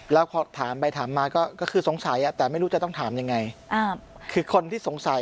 แล้วพอถามไปถามมาก็คือสงสัยอ่ะแต่ไม่รู้จะต้องถามยังไงคือคนที่สงสัย